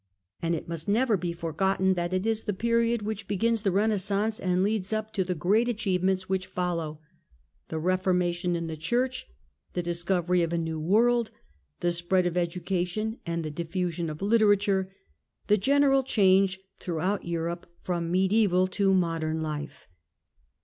f And it must never be forgotten that it is the period which begins the Renaissance and leads up to the great achievements which follow ; the Reformation in the Church ; the discovery of a new world ; the spread of education and the diffusion of literature ; the general change throughout Europe from mediaeval to modern life.